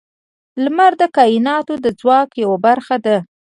• لمر د کائنات د ځواک یوه برخه ده.